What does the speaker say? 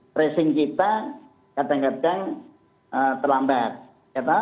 tracing kita kadang kadang terlambat